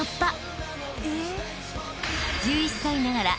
［１１歳ながら